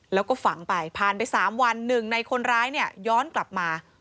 แล้วก็ฝังไปผ่านไป๓วัน๑ในคนร้ายย้อนกลับมา